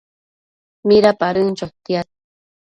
Midapadën chotiad